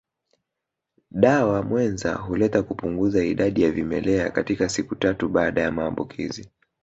Dawa mwenza hulenga kupunguza idadi ya vimelea katika siku tatu baada ya maambukizi